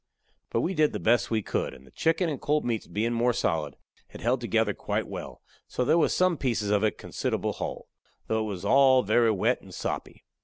But we did the best we could, and the chicken and cold meats bein' more solid, had held together quite well, so there was some pieces of it conside'able hull, though it was all very wet and soppy.